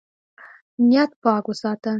نیت پاک وساته.